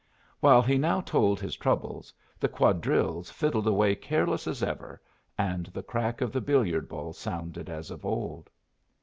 While he now told his troubles, the quadrilles fiddled away careless as ever, and the crack of the billiard balls sounded as of old.